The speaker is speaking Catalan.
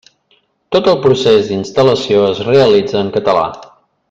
Tot el procés d'instal·lació es realitza en català.